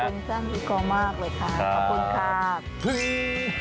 ขอบคุณจ้างพิกัลมากเลยค่ะขอบคุณค่ะ